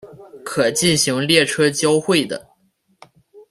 可进行列车交会的。